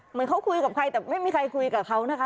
เหมือนเขาคุยกับใครแต่ไม่มีใครคุยกับเขานะคะ